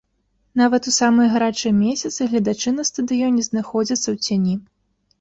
Нават у самыя гарачыя месяцы гледачы на стадыёне знаходзяцца ў цяні.